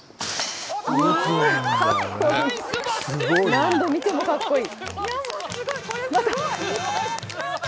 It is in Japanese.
何度見てもかっこいい！